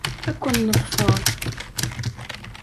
Ad ken-neḍfer.